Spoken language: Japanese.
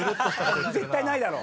絶対ないだろ。